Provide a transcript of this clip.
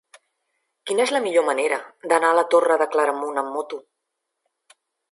Quina és la millor manera d'anar a la Torre de Claramunt amb moto?